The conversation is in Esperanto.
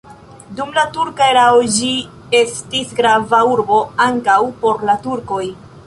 Dum la turka erao ĝi estis grava urbo ankaŭ por la turkoj.